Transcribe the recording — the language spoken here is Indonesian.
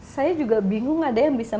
saya juga bingung ada yang bisa